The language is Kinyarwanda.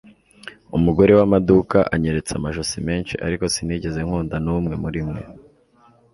umugore wamaduka anyeretse amajosi menshi, ariko sinigeze nkunda numwe murimwe